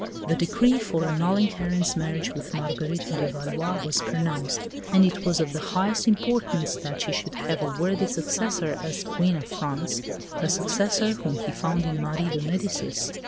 The decree for annulling Henri's marriage with Marguerite de Valois was pronounced; and it was of the highest importance that she should have a worthy successor as Queen of France a successor whom he found in Marie de Medicis.